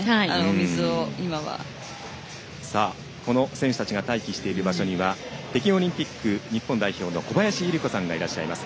選手たちが待機している場所には北京オリンピック日本代表の小林祐梨子さんがいらっしゃいます。